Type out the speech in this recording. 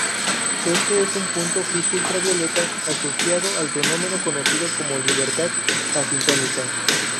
Esto es un punto fijo ultravioleta, asociado al fenómeno conocido como libertad asintótica.